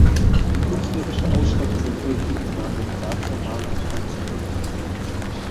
Die künstlerische Ausstattung der Kirche übernahm der Grazer Maler Franz Köck.